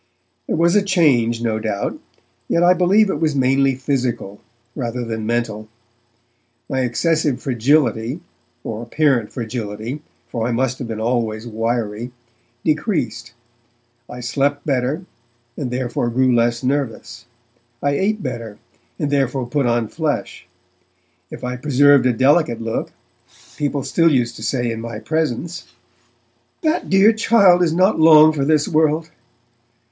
There was a change, no doubt, yet I believe that it was mainly physical, rather than mental. My excessive fragility or apparent fragility, for I must have been always wiry decreased; I slept better, and therefore, grew less nervous; I ate better, and therefore put on flesh. If I preserved a delicate look people still used to say in my presence, 'That dear child is not long for this world!'